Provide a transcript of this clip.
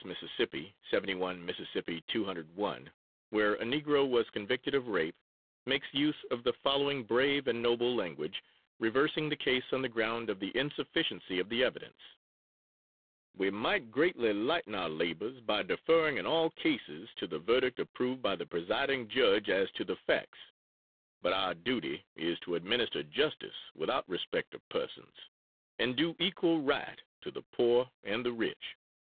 Mississippi, 71 Miss. 201, where a negro was convicted of rape, makes use of the following brave and noble language, reversing the case on the ground of the insufficiency of the evidence: "We might greatly lighten our labors by deferring in all cases to the verdict approved by the presiding judge as to the facts, but our duty is to administer justice without respect of persons, and do equal right to the poor and the rich.